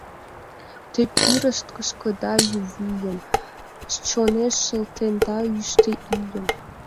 Те кӱрышт кышкышда ю вийым, Чонеш шылтенда йӱштӧ ийым.